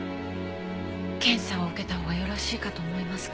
検査を受けたほうがよろしいかと思いますが。